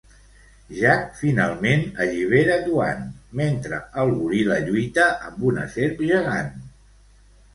Jack finalment allibera Duane mentre el goril·la lluita amb una serp gegant.